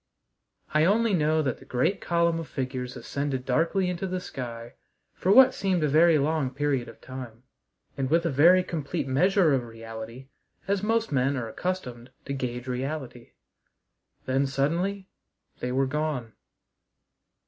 I only know that great column of figures ascended darkly into the sky for what seemed a very long period of time, and with a very complete measure of reality as most men are accustomed to gauge reality. Then suddenly they were gone!